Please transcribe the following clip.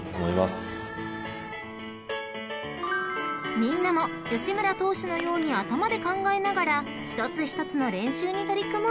［みんなも吉村投手のように頭で考えながらひとつひとつの練習に取り組もう］